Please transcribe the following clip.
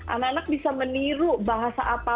anak anak bisa meniru bahasa apa